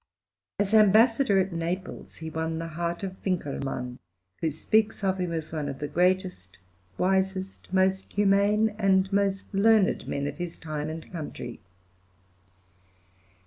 As Ambassador at Naples, he won the heart of Winckelmann, who speaks of {MILAN, 1770.} (111) him as one of the greatest, wisest, most humane, and most learned men of his time and country.